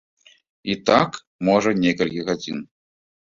І так, можа, некалькі гадзін.